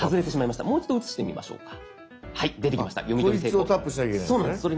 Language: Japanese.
こいつをタップしなきゃいけないんですね